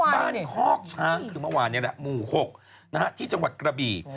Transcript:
บ้านฮอกช้างคือมันวานเนี่ยแหละหมู่๖นะฮะที่จังหวัดกระบี่